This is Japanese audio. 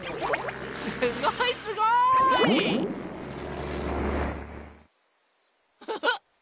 すごいすごい！フフ。